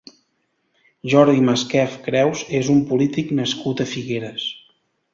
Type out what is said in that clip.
Jordi Masquef Creus és un polític nascut a Figueres.